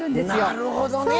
なるほどね！